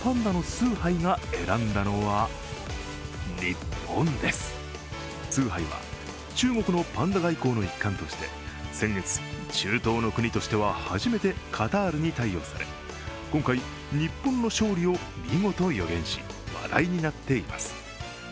スーハイは中国のパンダ外交の一環として先月、中東の国としては初めてカタールに貸与され、今回、日本の勝利を見事予言し話題になっています。